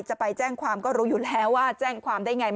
จะไปแจ้งความก็รู้อยู่แล้วว่าแจ้งความได้ไง